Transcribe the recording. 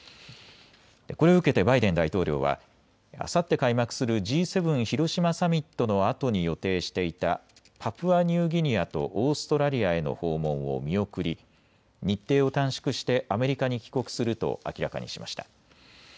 これを受けてバイデン大統領はあさって開幕するＧ７広島サミットのあとに予定していたパプアニューギニアとオーストラリアへの訪問を見送り日程を短縮してアメリカに帰国すると明らかにしました。